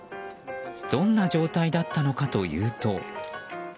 どんな状態だったのかというと。